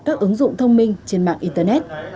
các ứng dụng thông minh trên mạng internet